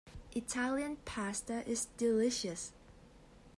Italian Pasta is delicious.